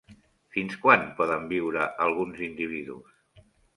Fins quan poden viure alguns individus?